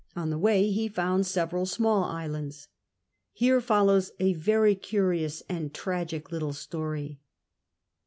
On the way he found several small islands Here follows a veiy curious and tragic little story.